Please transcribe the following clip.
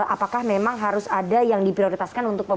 apakah memang harus ada yang diprioritaskan